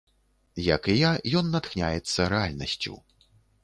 Як і я, ён натхняецца рэальнасцю.